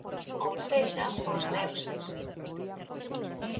Ou sexa, os Deuses.